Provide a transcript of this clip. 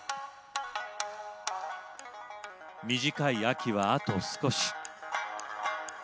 短い秋はあと少し。